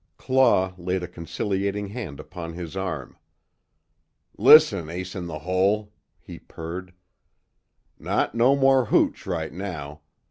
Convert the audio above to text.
Claw laid a conciliating hand upon his arm: "Listen, Ace In The Hole," he purred, "Not no more hooch right now.